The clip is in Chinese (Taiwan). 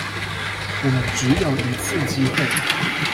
我們只有一次機會